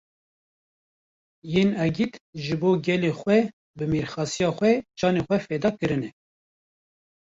Yên egît ji bo gelê xwe bi mêrxasiya xwe, canê xwe feda kirine